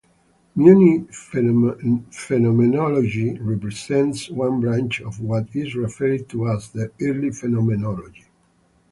Munich Phenomenology represents one branch of what is referred to as the early phenomenology.